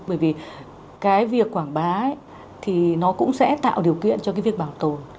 bởi vì cái việc quảng bá thì nó cũng sẽ tạo điều kiện cho cái việc bảo tồn